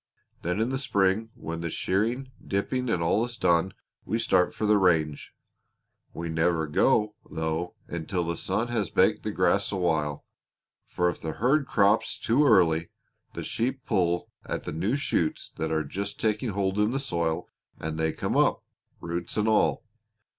Then in the spring when the shearing, dipping, and all is done, we start for the range. We never go, though, until the sun has baked the grass a while, for if the herd crops too early the sheep pull at the new shoots that are just taking hold in the soil and up they come roots and all.